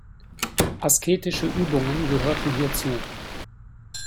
Asketische Übungen gehörten hierzu.